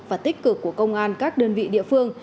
và tích cực của công an các đơn vị địa phương